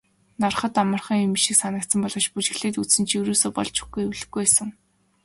Hарахад амархан юм шиг санагдсан боловч бүжиглээд үзсэн чинь ерөөсөө болж өгөхгүй эвлэхгүй байсан.